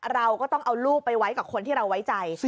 เราก็ต้องเอาลูกไปไว้กับคนที่เราไว้ใจ